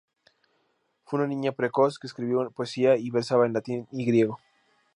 Fue una niña precoz que escribió poesía y versaba en latín y griego.